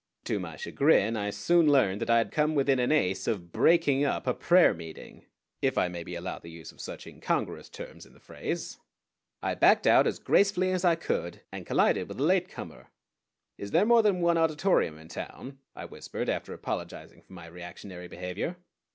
To my chagrin I soon learned that I had come within an ace of breaking up a prayer meeting if I may be allowed the use of such incongruous terms in the phrase. I backed out as gracefully as I could, and collided with a late comer. "Is there more than one Auditorium in town?" I whispered, after apologizing for my reactionary behavior.